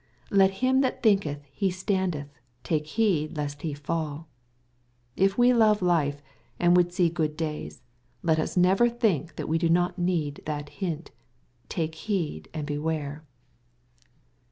^^ Let him that thinketh he standeth, take heed lest he falL" If we love life, and would see good days, let us never think that we do not need that hint, " take heed, and beware."